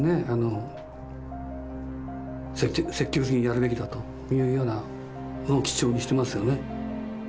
積極的にやるべきだというようなのを基調にしてますよね。